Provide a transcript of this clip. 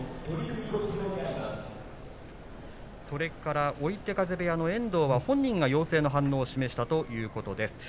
それから追手風部屋の遠藤は本人が陽性の反応を示したということです。